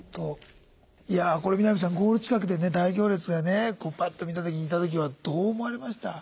いやこれ南さんゴール近くで大行列がねパッと見た時にいた時はどう思われました？